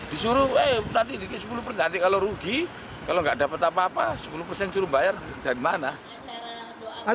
disuruh eh nanti dikit sepuluh persen nanti kalau rugi kalau nggak dapat apa apa sepuluh persen disuruh bayar dari mana